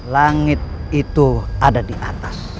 langit itu ada di atas